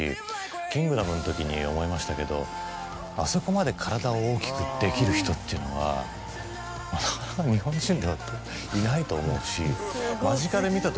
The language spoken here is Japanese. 『キングダム』の時に思いましたけどあそこまで体を大きくできる人っていうのはなかなか。と思うし間近で見た時。